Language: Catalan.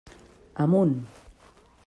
Amunt.